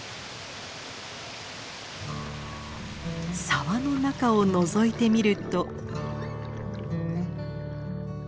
沢の中をのぞいてみると。